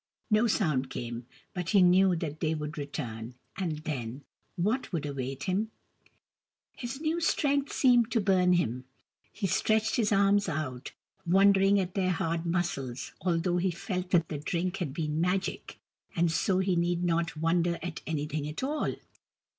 No sound came. But he knew that they would return : and then, what would awaii him ? His new strength seemed to burn him. He stretched his arms out, wondering at their hard muscles, although he felt that the drink had been Magic, and so he need not wonder at anything at all.